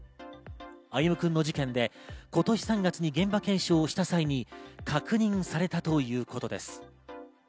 歩夢くんの事件で今年３月に現場検証した際に確認されたということです。